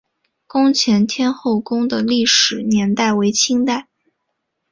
宫前天后宫的历史年代为清代。